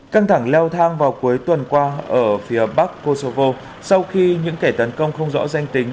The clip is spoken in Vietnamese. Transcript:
căng thẳng leo thang vào cuối tuần qua ở phía bắc kosovo sau khi những kẻ tấn công không rõ danh tính